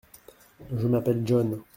Je m’appelle John.